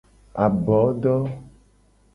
Abodo.